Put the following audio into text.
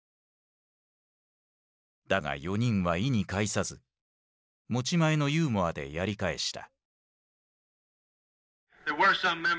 だが４人は意に介さず持ち前のユーモアでやり返した。